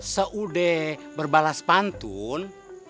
seudah berbalas pantun